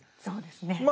そうですね。